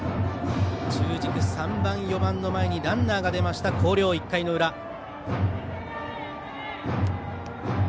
中軸３番、４番の前にランナーが出ました広陵、１回の裏。